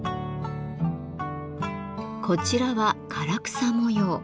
こちらは唐草模様。